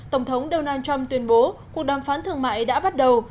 tổng thống donald trump tuyên bố cuộc đàm phán thương mại đã bắt đầu